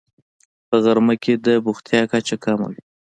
په غرمه کې د بوختیا کچه کمه وي